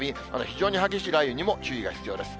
非常に激しい雷雨にも注意が必要です。